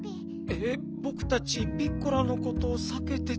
えっぼくたちピッコラのことさけてたのに？